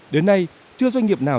đến nay chưa doanh nghiệp nào